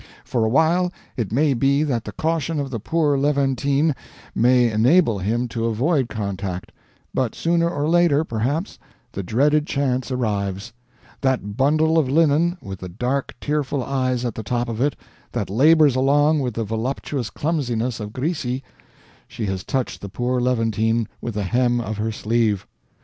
For a while it may be that the caution of the poor Levantine may enable him to avoid contact, but sooner or later, perhaps, the dreaded chance arrives; that bundle of linen, with the dark tearful eyes at the top of it, that labors along with the voluptuous clumsiness of Grisi she has touched the poor Levantine with the hem of her sleeve!